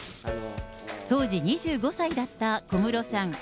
当時２５歳だった小室さん。